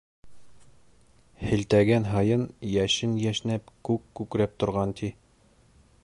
Һелтәгән һайын йәшен йәшнәп, күк күкрәп торған, ти.